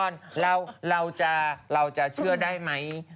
เดี๋ยวก่อนเราจะเชื่อได้ไหม